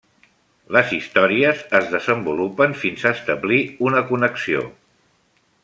Les històries es desenvolupen fins a establir una connexió.